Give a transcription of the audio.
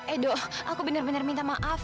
edo aku benar benar minta maaf